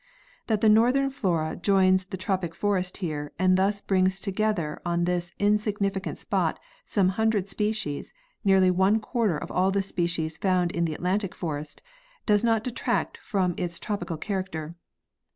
That the northern flora joins the tropic forest here, and thus brings to gether on this insignificant spot some hundred species, nearly one quarter of all the species found in the Atlantic forest, does not detract from its tropical character.